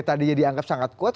tadi dianggap sangat kuat